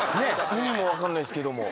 意味も分かんないっすけども。